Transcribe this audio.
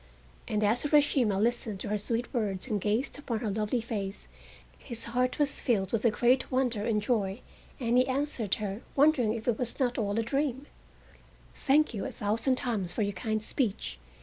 And as Urashima listened to her sweet words and gazed upon her lovely face his heart was filled with a great wonder and joy, and he answered her, wondering if it was not all a dream: "Thank you a thousand times for your kind speech.